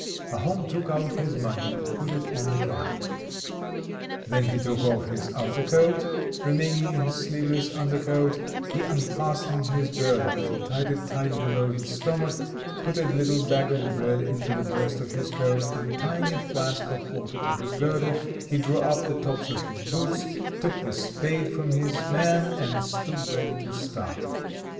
Pahom took out his money and put it on the cap. Then he took off his outer coat, remaining in his sleeveless under coat. He unfastened his girdle and tied it tight below his stomach, put a little bag of bread into the breast of his coat, and tying a flask of water to his girdle, he drew up the tops of his boots, took the spade from his man, and stood ready to start.